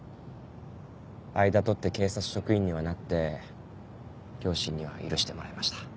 間取って警察職員にはなって両親には許してもらえました。